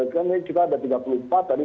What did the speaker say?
karena kita ada tiga puluh empat tadi